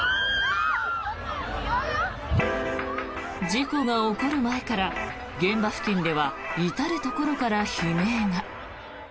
事故が起こる前から現場付近では至るところから悲鳴が。